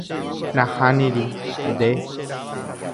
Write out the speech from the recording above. Nahániri. Nde.